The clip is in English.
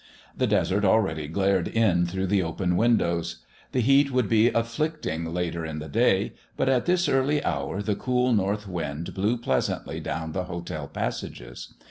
The desert already glared in through the open windows. The heat would be afflicting later in the day, but at this early hour the cool north wind blew pleasantly down the hotel passages.